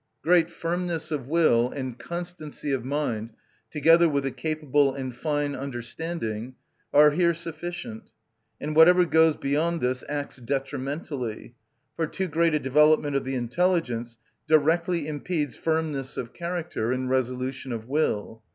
Great firmness of will and constancy of mind, together with a capable and fine understanding, are here sufficient; and whatever goes beyond this acts detrimentally, for too great a development of the intelligence directly impedes firmness of character and resolution of will.